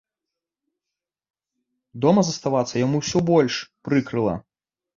Дома заставацца яму ўсё больш прыкрыла.